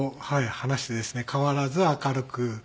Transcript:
変わらず明るく。